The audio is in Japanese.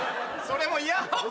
それも嫌！